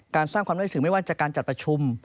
การสร้างความน่าเชื่อถือกไม่ว่าจากการจัดประชุม